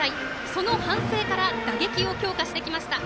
その反省から打撃を強化してきました。